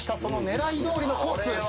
その狙いどおりのコース。